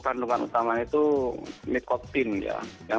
kandungan utama itu mikotin ya yang